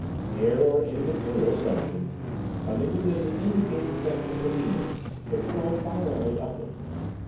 Air or any material substance, coming within the indicated section of the beam, was thrown violently upward.